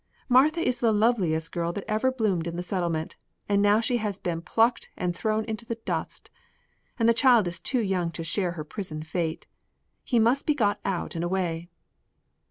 Martha was the loveliest girl that ever bloomed in the Settlement, and now she has been plucked and thrown into the dust. And the child is too young to share her prison fate. He must be got out and away."